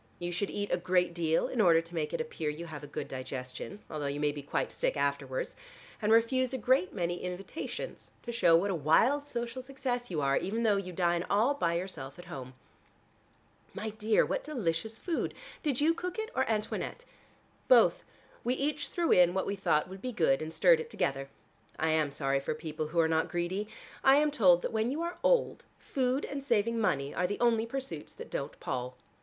You should eat a great deal in order to make it appear you have a good digestion, although you may be quite sick afterwards, and refuse a great many invitations to show what a wild social success you are, even though you dine all by yourself at home. My dear, what delicious food; did you cook it, or Antoinette?" "Both. We each threw in what we thought would be good, and stirred it together. I am sorry for people who are not greedy. I am told that when you are old, food and saving money are the only pursuits that don't pall.